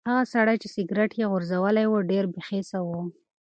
هغه سړی چې سګرټ یې غورځولی و ډېر بې حسه و.